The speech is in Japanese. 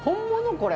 これ。